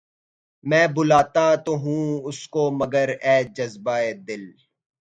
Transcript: میں بلاتا تو ہوں اس کو مگر اے جذبہ ِ دل